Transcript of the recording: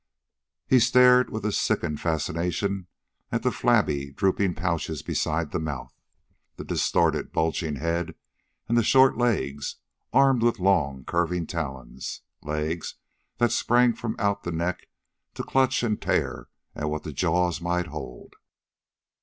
He stared with a sickened fascination at the flabby, drooping pouches beside the mouth, the distorted, bulging head and the short legs, armed with long, curving talons legs that sprang from out the neck to clutch and tear at what the jaws might hold.